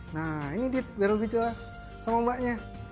nah ini dit biar lebih jelas sama mbaknya